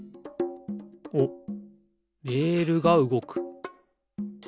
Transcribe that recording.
おっレールがうごく。